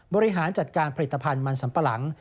บริหารจัดการผลิตภัณฑ์มันสัมปะหลัง